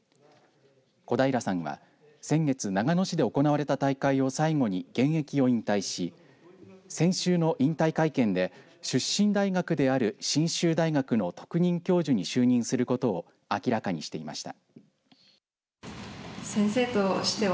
小平さんは先月長野市で行われた大会を最後に現役を引退し、先週の引退会見で出身大学である信州大学の特任教授に就任することを明らかにしていました。